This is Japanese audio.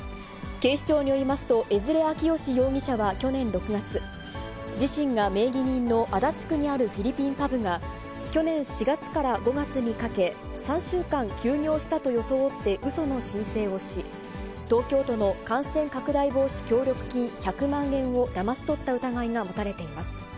警視庁によりますと、江連晃祥容疑者は去年６月、自身が名義人の足立区にあるフィリピンパブが、去年４月から５月にかけ、３週間休業したと装ってうその申請をし、東京都の感染拡大防止協力金１００万円をだまし取った疑いが持たれています。